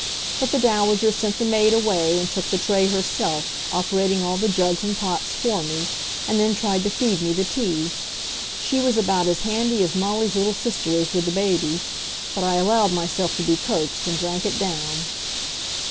But the Dowager sent the maid away and took the tray herself, operating all the jugs and pots for me, and then tried to feed me the tea. She was about as handy as Molly's little sister is with the baby but I allowed myself to be coaxed, and drank it down.